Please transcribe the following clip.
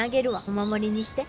お守りにして。